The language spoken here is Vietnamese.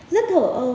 rất thờ ơ